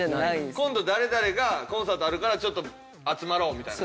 今度誰々がコンサートあるからちょっと集まろうみたいな。